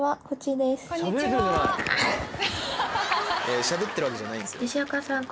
猫がしゃべってるわけじゃないんですよ。